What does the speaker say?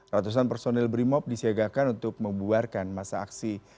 ratusan personil brimop disiagakan untuk membuarkan masa aksi